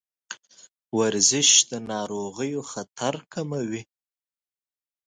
ورزش د ناروغیو خطر کموي.